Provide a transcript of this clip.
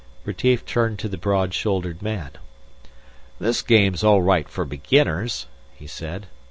Retief turned to the broad shouldered man. "This game's all right for beginners," he said.